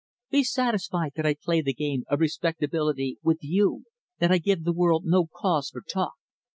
Be satisfied that I play the game of respectability with you that I give the world no cause for talk.